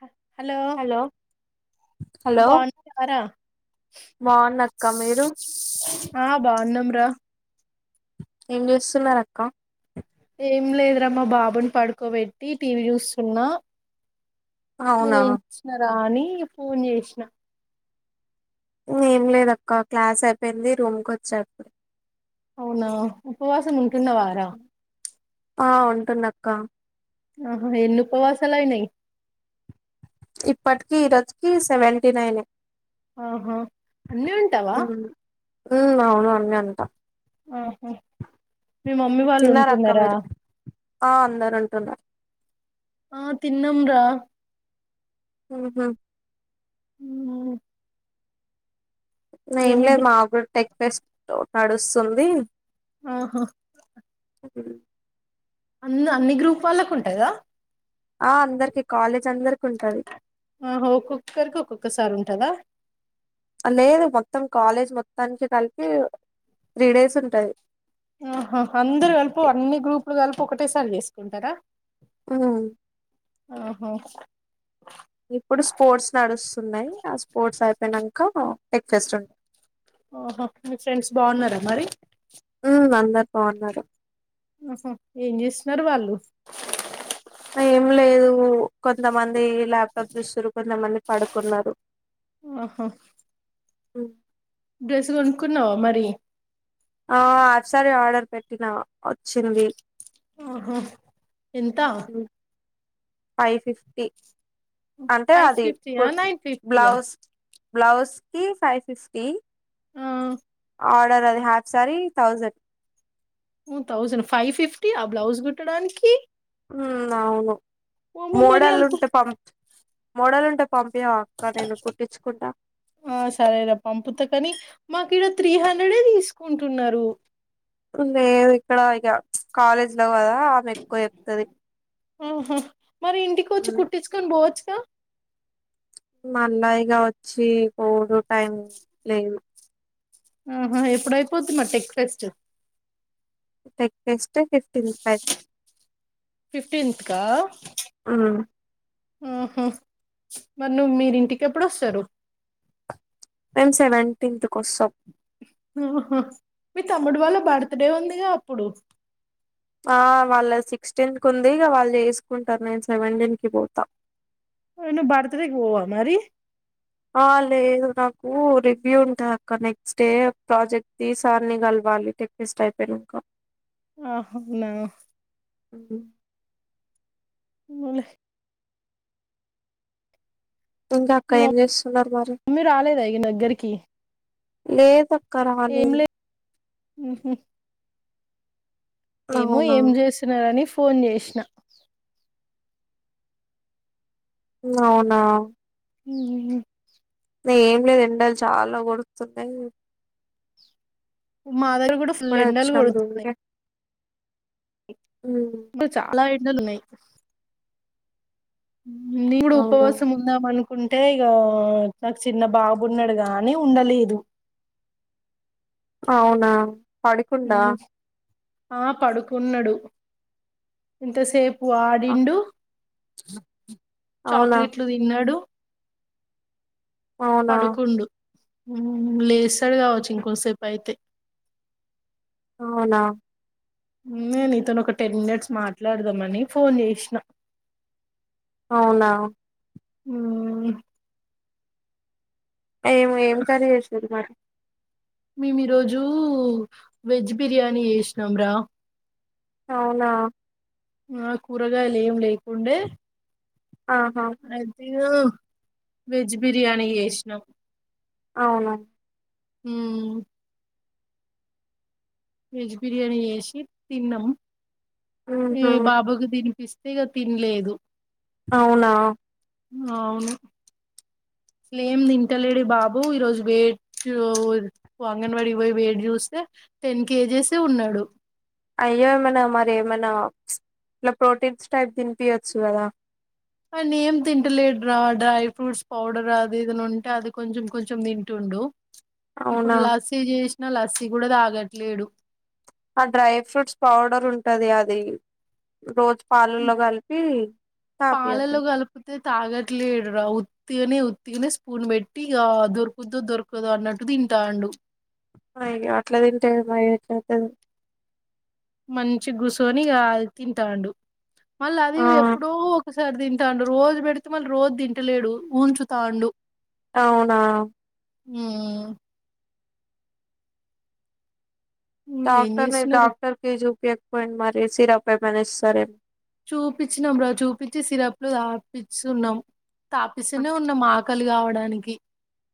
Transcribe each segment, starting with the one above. హ hello hello బాగున్నావరా బాగున్నక్క మీరు ఆ బాగున్నం రా ఏం చేస్సున్నరు అక్కా ఏం లేదురా మా బాబుని పడుకోబెట్టి టీవీ చూస్సున్నా అవునా మీరేం [unintelligible] రా అని ఫోన్ చేసిన ఏం లేదు అక్క క్లాస్ అయిపోయింది రూమ్ కి వచ్చా ఇప్పుడు అవునా ఉపవాసం ఉంటున్నావారా ఆ ఉంటున్న క్కా ఆహా ఎన్ని ఉపవాసాలైనయి ఇప్పటికి ఇరోజకి సెవెంటీనైనే ఆహా అన్నీ ఉంటవా ఉమ్ అవును అన్నీ ఉంటా ఆహా మీ మమ్మీ వాళ్ళు తిన్నారా అక్క ఉంటున్నారా మీరు ఆ అందరు వండుతా ఆ తిన్నంరా ఆహా ఉమ్, ఏమ్ లేదు ఏమిటి మాగురు టెక్ఫేస్ట్ తో నడుస్తుఉంది ఆహా హ అన్ని అన్ని గ్రూప్ వాళ్ళకు ఉంటాయి గదా ఆ అందరికి కాలేజ్ అందరికి ఉంటది ఆహో ఒక్కొ ఒక్కరికి ఒక్కొ ఒక్కసారి ఉంటదా అద్ లేదు మొత్తం కాలేజ్ మొత్తానికి కలిపి త్రీ డేస్ ఉంటాది ఆహా ఒకే సారీ చేసుకుంటరా ఆ ఆహో ఇప్పుడు స్పోర్ట్స్ నడుస్తు ఉన్నాయి ఆ స్పోర్ట్స్ అయిపోయినాక టెక్క్ఫెస్ట్ ఉంటయి ఆహా మీ ఫ్రెండ్స్ బాగున్నారా మరి మ్ అందరు బావుఉన్నారు నర్వాళ్ళు అ ఏమ్ లేదు కొంతమంది ల్యాప్టాప్ చూస్తుారు కొంతమంది పడుకున్నారు ఆహా అ డ్రెస్ కొనుక్కున్నావా మరి ఆ ఆసారి ఆర్డర్ పెట్టినా వచ్చింది ఆఓహో ఎంతా ఫైవ్ ఫిఫ్టీ అంటే ఫైవ్ అది ఫిఫ్టీయా నైన్ ఫిఫ్టీయా బ్లౌజ్ బ్లౌస్ కి ఫైవ్ ఫిఫ్టి ఆర్డర్ అది half sari thousand thousand five fifty ఆ బ్లౌజ్ కుట్టడానికి ఉ అవును ఓమో మరి మోడలు అంత ఉంటే పంపిచ్ మోడల్ ఉంటే పంపియవా అక్క నేను కుట్టించుకుంటా ఆ సరేలే పంపుతా కాని మాకు ఇడ త్రీ హండ్రెడ్ ఏ తీసుకుంటు ఉన్నారు కుంది ఇక్కడ ఇక కాలేజ్ లో కదా ఆమె ఎక్కువ చెప్తుది ఆహా మరి ఇంటికి వచ్చి కుట్టించుకొని పోవచ్చు మల్లాయిగా వచ్చి కోడ్ టైం లేదు ఆహా ఎప్పుడయిపోతుంద టేక్ఫెస్ట్ టక్స్ టే ఫిఫ్టీ రూపాయల్ ఫిఫ్టీన్త్ ఆహ ఆహ మరి నువ్ మీర్ ఇంటికి ఎప్పుడు వస్తారు మేమ్ సెవెన్ టిన్త్ కో వస్తామ్ ఆహా మీ తమ్ముడు వాళ్ళ బర్త్ డే ఉందిగా అప్పుడు ఆ వాళ్ళ సిక్స్టీన్ కు ఉంది ఇక వాళ్ళు చేసుకు ఉంటారు నేన్ సెవె నటిన్న్ కి పోతా ఏ నువ్వు బర్తడే కి పోవ మరి ఆ లేదు నాకు రివ్యూ ఉంటద్ అక్క నెక్స్ట్ డే ప్రాజెక్ట్ ఈ సార్ని కల్ వాళ్ళు టెకేపెస్టే అయి పేరుగ్గా అహ్ ఉన్నా అ ఊన్ లే ఇంకా మీ అక్క ఏమ్ చేస్తున్నార్ మరి మమ్మీ రాలేదా ఇగ నా దగ్గరికి లేద్ అక్క రాలేదు ఊహు ఏమో అవునా ఏం చేస్తున్నార అని ఫోన్ చేసిన అవునా మ్మ్ హ్హ్ అదే ఏం లేదు ఎండలు చాలా కొడుతున్నాయి మా దగ్గర కూడా ఫుల్ ఇప్పుడే ఎండలు వచ్చినాం రూమ్ కొడుతున్నాయి కి ఇప్పుడు చాలా ఎండలు ఉన్నాయి నేను కూడా అవునా ఉపవాసం ఉందామను కుంటే ఇగ నాకు చిన్న బాబున్నాడు గా ఉండలేదు అవునా పడుకుండా ఉమ్. ఆ పడుకున్నాడు ఇంతసేపు అ ఆడిండు అవునా చాక్లెట్లు తిన్నాడు అవునా పడుకుండు లేస్తాడు కావచ్చు ఇంకోసేపు అయితే అవునా నేను నీతోని ఒక టెన్ మినెట్స్ మాట్లాడుదాంమని ఫోన్ చేసినా అవునా మ్మ్ హ్ ఏం ఏం కర్రీ చేసిన్రు మరి మేము ఈరోజు వెజ్ బిర్యానీ చేసినం రా అవునా ఆ కూరగాయలేం లేకుండే ఆహా యా వెజ్ బిర్యానీ చేసినం అవునా మ్మ్ హ్ వెజ్ బిర్యానీ చేసి తిన్నం ఈ ఊహూ బాబుకు తినిపిస్తు ఇగ తిన్లేదు అవునా ఆ ఏం తింటలేడు బాబు ఈ రోజు అంగన్వాడి కి పోయి వెయిట్ చూస్తే టెన్ కేజేసే ఉన్నాడు అయ్యో ఏమన్నా మరి ఏమన్నా ప్చ్ ఇట్లా ప్రోటీన్స్ టైప్ తినిపియచ్చు కదా అవన్నీ ఏం తింటలేడ్ర డ్రై ఫ్రూట్స్ పౌడర్ అది ఏదన్నా ఉంటే అది కొంచెం కొంచెం దింటుండు ఇప్పుడు అవునా లస్సీ చేసిన లస్సీ కూడా తాగట్లేడు ఆ డ్రై ఫ్రూట్స్ పౌడర్ ఉంటది అది రోజు పాలలో కల్పి తాగిపీయలే పాలలో కలిపితే తాగట్లేడు రా ఉత్తిగనే ఉత్తిగనే స్పూన్ బెట్టి ఇగ దొరుకుతదో దొరుకదో అన్నట్టు తింటుండు సిరప్ తాగుతాండు అయ్యో అట్ల తింటే ఏం వెయిట్ పెరుగుతది మంచిగా కుసొని ఇగా తింటాడు మళ్ళీ అది ఆ ఎప్పుడో ఒకసారి తింటాండు రోజు పెడితే మళ్ళీ రోజు తింటలేడు ఊన్చుతాండు అవునా మ్మ్ హ్హ్ ఏం చేస్తున్నారు డాక్టర్ కి చూపియక పోయిండ్రు మరి సిరప్ ఏమైనా ఇస్తారేమో చూపించినాం రా చూపించి సిరప్ లు తాపిస్తున్నం తాపిస్తూనే ఉన్నం మాకు ఆకలి కావడానికి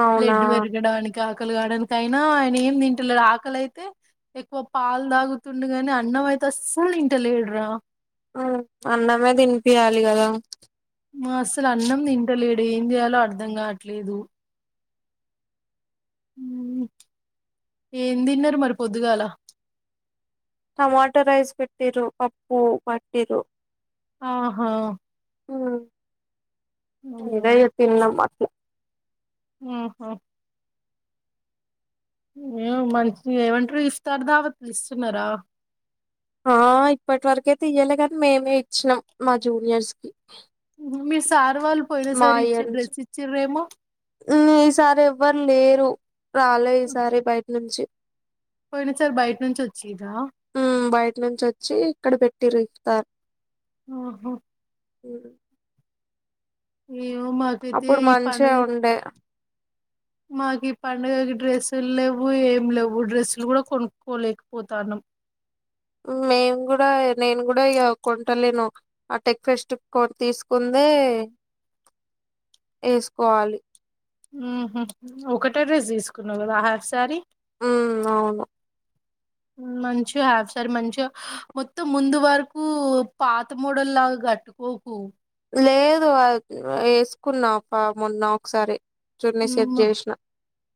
అవునా బ్లడ్ పెరగడానికి ఆకలి కావడానికైనా అయన ఏం తింటలేడు ఆకలైతే ఎక్కువ పాలు దాగుతుండుగని అన్నం అయితే అసలు దింటలేడురా మ్మ్ అన్నమే తినిపియాలి కదా అసలు అన్నం తింటలేడు ఏం చేయాలో అర్ధం కావట్లేదు మ్మ్ ఏం తిన్నరు మరి పొద్దుగాల టమాటో రైస్ పెట్టిరు పప్పు పెట్టిరు ఆహా మ్మ్ అవునా అదే తిన్నం పన్నం మ్మ్ హ్ ఏమో మరి ఏమంటరు ఇస్తార్ దావత్ ఇస్తున్నారా ఆ ఇప్పటి వరకైతే ఇయ్యాలే గానీ మేమే ఇచ్చినం మా జూనియర్స్ కి మీ సార్ వాళ్ళు పోయిన మా సారి ఇచ్చి ఇయర్ నుంచి డ్రెస్ ఇచ్చిరేమో మ్ ఈసారి ఎవ్వరు లేరు రాలే ఈసారి బయటి నుంచి పోయినసారి బయట నుంచి వచ్చిరా మ్మ్ బయట నుంచి వచ్చి ఇక్కడ పె ట్టారు ఇఫ్తార్ ఆహా మ్మ్ హ్హ్ ఏమో మాకైతే అప్పుడు ఈ మంచిగా పండుగ ఉండే మాకి పండుగకి డ్రెస్సులు లేవు ఏం లేవు డ్రెస్సులు కూడా కొనుక్కోలేకపోతానం [inaudible] మేము కూడా నేను కూడా ఇగ కొంటలేను ఆ ఫెస్టివల్ కే తీసుకుంది ఏ వేసుకోవాలి మ్మ్ హ్ ఒకటే డ్రెస్ తీసుకున్నావు కదా అ హాఫ్ సారీ మ్మ్ అవును మంచిగా హాఫ్ సారీ మంచిగా మొత్తం ముందు వరకు పాత మోడల్ లాగా కట్టు కోకు లేదు అది వేసుకున్నా మొన్న ఒకసారి చున్నీ సెట్ ఉమ్మా చేసిన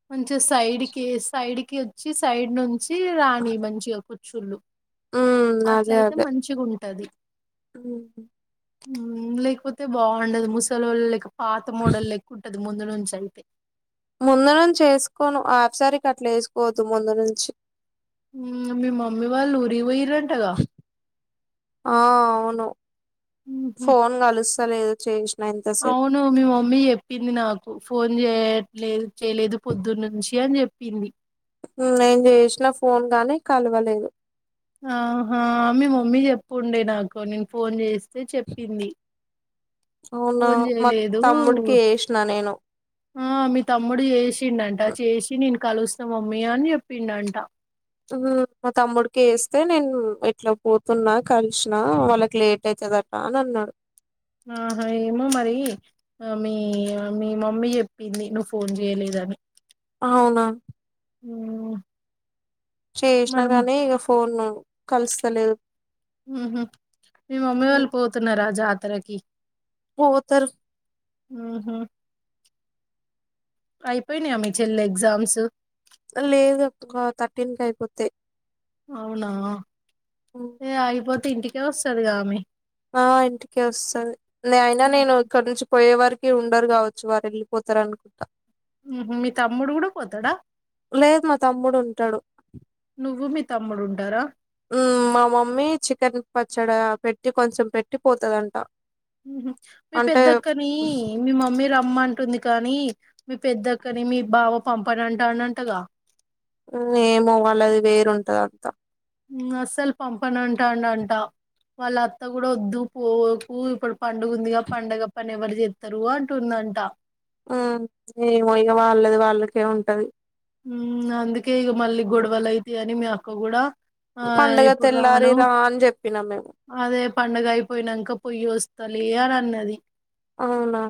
కొంచెం సైడ్కి సైడ్ కి వచ్చి సైడ్ నుంచి వచ్చి రానియ్ మంచిగా కుచ్చులు ఉమ్ అట్లయితే మంచిగా ఉంటది మ్మ్ హ్ లేకపోతే బాగుండదు ముసలి వాళ్ళ లేక్క పాత మోడలు లెక్క ఉంటది ముందు నుంచి అయితే పి ముందు నుంచి వేసుకోను హాఫ్ సారీకి అట్ల వేసుకోవద్దు ముందు నుంచి మ్మ్ మీ మమ్మీ వాళ్ళు ఊరికి పోయ్యరంటగా ఆ అవును ఫోన్ కలుస్తలేదు చేసిన ఇంతసేపు అవును మీ మమ్మీ చెప్పింది నాకు ఫోన్ చేయట్లేదు చేయలేదు పొద్దున్నుంచి అని చెప్పింది నేను చేసిన ఫోన్ గానీ కలవలేదు ఆహా మీ మమ్మీ చెప్పుండే నాకు నేను ఫోన్ చేసి చెప్పింది అవునా ఫోన్ మా చేయలేదు తమ్ముడికి వేసినా నేను ఆ మీ తమ్ముడు చేసిండంట చేసి నేను కలుస్త మమ్మీయా అని చెప్పిండంట మ్ మా తమ్ముడికి చేస్తే నేను ఇట్లా పోతున్నా కలిసిన వాళ్ళకి లేట్ అయితే రాదాటాన అన్నాడు ఆహా ఏమో మరి ఆ మీ మమ్మీ చెప్పింది నువ్వు ఫోన్ చేయలేదు అ అవునా మ్మ్ చేసినా కానీ ఇగా ఫోన్ కలుస్తలేదు మ్మ్ హ్ మీ మమ్మీ వాళ్ళు పోతున్నారా జాతరకి పోతరు ఆహా అయిపోయినాయా మీ చెల్లి ఎగ్జామ్స్ లేదు ఒక థర్టీన్ కి అయిపోతే అవునా ఏ అగిపోతే ఇంటికే వస్తుదిగామె ఆ ఇంటికి వస్తుంది అయినా నేను ఇక్కడ నుంచి పోయే వారుకు అక్క ఉండరు కావచ్చు వారు వెళ్ళిపోతారు అనుకుంటా ఉహు మీ తమ్ముడు కూడా పోతాడా లేదు మా తమ్ముడు ఉంటాడు నువ్వు మీ తమ్ముడు ఉంటారా మా మమ్మీ చికెన్ పచ్చడి పెట్టి కొంచెం పెట్టి పోతుందంట మీ పెద్దక్కని మీ మమ్మీ రా అమ్మ అంటుంది కానీ మీ పెద్దక్కని మీ బావ పంపని అంట అన్నంటగా ఏమో వాళ్ళది వేరుంటది అంతా అస్సలు పంపాను అంటాండ అంట వాళ్ళ అత్త కూడా వద్దు పోకు ఇప్పుడు పండు గా పండుగ పని ఎవరు చెస్తారు అంటుందంట మై వాళ్ళది వాళ్ళకే ఉంటది ఉ అందకే ఈ మళ్ళ గొడవల్ల అయితయని మీ అక్క కూడాడా ఆ పండగ ఇప్పుడు తెల్లారి రాను రా అని చెప్పినాం మేము అదే పండుగ అయిపోయినాక పొయ్యి వస్తలే అని అన్నది అవునా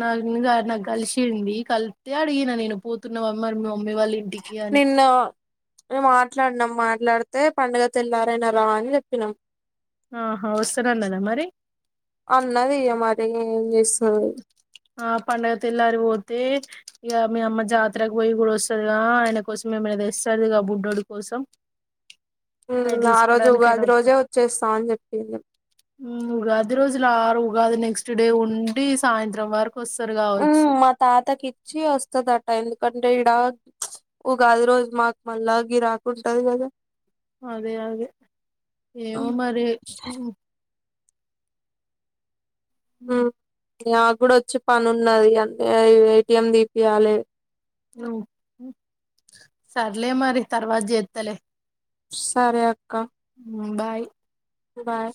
నా నాకు కలిసియంండి కలిస్తతే అడిగిన నేను పోతున్నావ మరి మమ్మీ వాళ్ళ ఇంటికి అని నిన్న మాట్లాడునాం మాట్లాడు అయితే పండుగ తెల్లారన రా అని చెప్పినాం ఆహా వస్తన్నాను కదా మరి అన్నది ఇగ మరి ఏం చేస్తది ఆ పండగత ఎలార పోతే ఇక మీ అమ్మ జాతరకు పోయి కూడా వస్తుందిగా ఆయన కోసంమామ తెస్తదిగా బుడ్డడు కోసం అవి ఆ రోజు తీసుకోవడానికైనా ఉగాది రోజే వత్తది వచ్చేస్తాం అని చెప్పింది ఉగాది రోజులరు ఉగాది నెక్స్ట్ డే ఉండి సాయంత్రం వారు ఉ మా తాతకి ఇచ్చి వస్తుందిట్ట ఎందుకంటే ఇడా ఉగాది రోజు మాకు మళ్ళా గ రాకుంటది కదా అదే అదే ఏమో మరి హ ఉమ్ నాకు కూడా వచ్చి పని ఉన్నది అన్న ఏటిఎం తీీపియాలి సర్లే మరి తర్వాత చేత్తలే సరే అక్క బాయ్ బాయ్